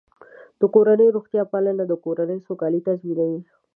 د کورنۍ روغتیا پالنه د کورنۍ سوکالي تضمینوي.